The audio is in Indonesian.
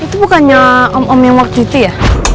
itu bukannya om om yang waktu itu ya